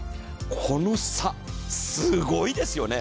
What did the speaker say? この差、すごいですよね？